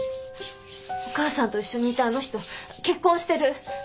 お母さんと一緒にいたあの人結婚してる。